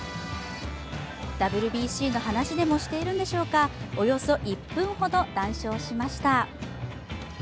ＷＢＣの話でもしているのでしょうかおよそ１分ほど談笑しました。